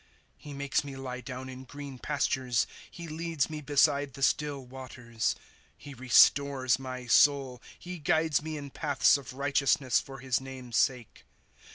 * He makes me lie down in green pastures ; He leads me beside the still waters. ^ He restores my soul ; He guides me in paths of righteousness, for his name's salce.